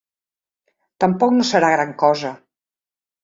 Tampoc no serà gran cosa.